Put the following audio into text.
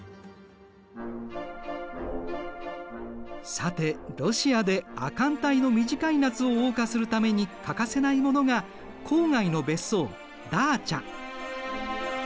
さてロシアで亜寒帯の短い夏をおう歌するために欠かせないものが郊外の別荘ダーチャ。